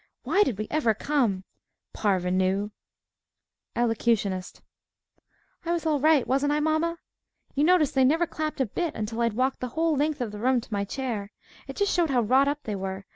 Why did we ever come Parvenue! ELOCUTIONIST I was all right, wasn't I, mama? You noticed they never clapped a bit until I'd walked the whole length of the room to my chair. It just showed how wrought up they were.